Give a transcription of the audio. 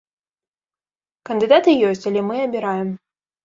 Кандыдаты ёсць, але мы абіраем.